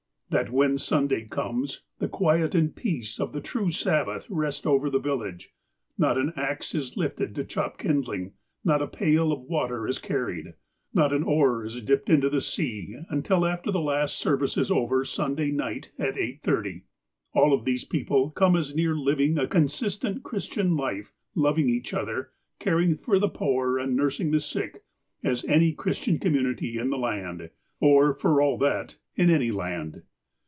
That when Sunday comes, the quiet and peace of the true Sabbath rest over the village. Not an axe is lifted to chop kindling ; not a pail of water is carried ; not an oar is dipped into the sea until after the last service is over Sunday night, at 8 : 30. All of these people come as near living a consistent Christian life, loving each other, car ing for the poor and nursing the sick, as any Christian community in the land, or for all of that, in any land.